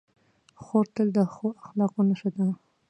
خور تل د ښو اخلاقو نښه ده.